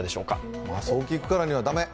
そう聞くからには、駄目。